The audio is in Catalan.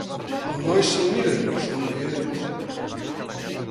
El noi se'l mira, somrient.